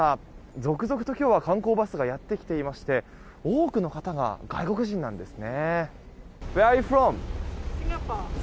続々と今日は観光バスがやってきていまして多くの方が外国人なんですね。